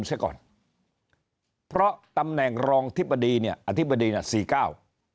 เสียก่อนเพราะตำแหน่งรองอธิบดีเนี่ยอธิบดีน่ะสี่เก้า